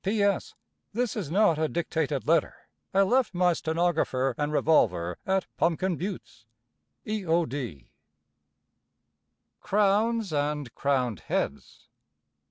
P.S. This is not a dictated letter. I left my stenograffer and revolver at Pumpkin Buttes. E.O.D. Crowns and Crowned Heads.